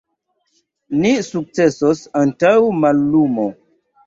Ni sukcesos antaŭ mallumo.